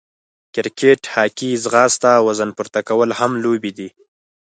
کرکېټ، هاکې، ځغاسته، وزن پورته کول هم لوبې دي.